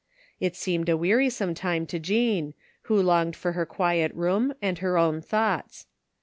It seemed a wearisome time to Jean, who longed for her quiet room and her own thoughts.